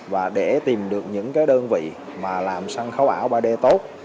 và để tìm được những cái đơn vị mà làm sân khấu ảo ba d tốt